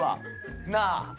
なあ？